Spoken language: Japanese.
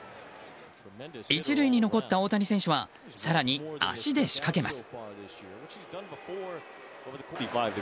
１塁に残った大谷選手は更に、足で仕掛けます。